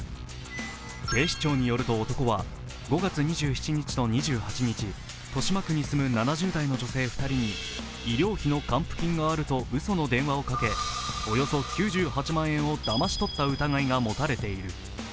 警視庁によると、男は５月２７日と２８日豊島区に住む７０代の女性２人に医療費の還付金があるとうその電話をかけ、およそ９８万円をだまし取った疑いが持たれている。